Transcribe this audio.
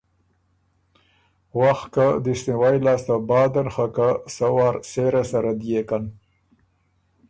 ”وخ که دست نیوي لاسته بعدن خه که سۀ وار سېره سره ديېکن۔